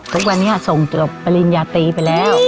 ทุกวันนี้ส่งจบปริญญาตรีไปแล้ว